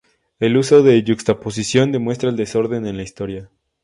El uso de yuxtaposición demuestra el desorden en la historia.